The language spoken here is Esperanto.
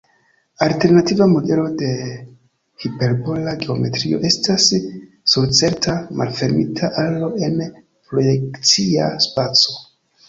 Alternativa modelo de hiperbola geometrio estas sur certa malfermita aro en projekcia spaco.